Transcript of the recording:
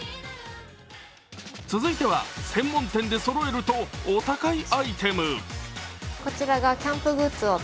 続いては、専門店でそろえるとお高いアイテム。